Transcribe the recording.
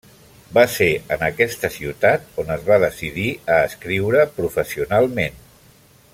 Va ser en aquesta ciutat on es va decidir a escriure professionalment.